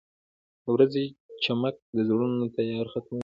• د ورځې چمک د زړونو تیاره ختموي.